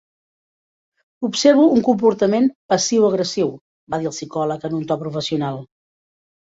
"Observo un comportament passiu-agressiu", va dir el psicòleg en un to professional.